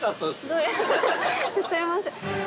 すいません。